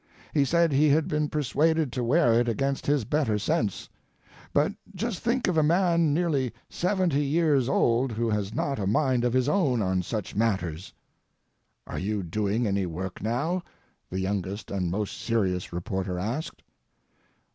He said he had been persuaded to wear it against his better sense. But just think of a man nearly seventy years old who has not a mind of his own on such matters! "Are you doing any work now?" the youngest and most serious reporter asked.